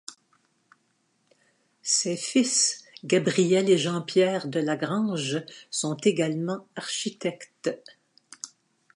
Ses fils Gabriel et Jean-Pierre Delagrange sont également architectes.